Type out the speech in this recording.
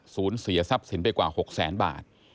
ศูนย์เสียทรัพย์สินไปกว่า๖๐๐๐๐๐บาท